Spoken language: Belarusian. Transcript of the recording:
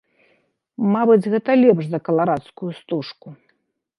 Мабыць, гэта лепш за каларадскую стужку.